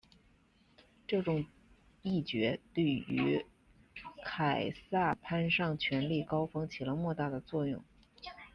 这种议决对于凯撒攀上权力高峰起了莫大的作用。